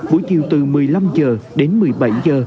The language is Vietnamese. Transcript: buổi chiều từ một mươi năm h đến một mươi bảy h